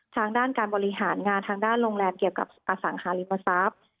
ทางด้านการบริหารงานทางด้านโรงแรมเกี่ยวกับอสังหาริมทรัพย์